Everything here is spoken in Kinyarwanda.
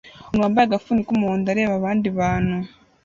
Umuntu wambaye agafuni k'umuhondo areba abandi bantu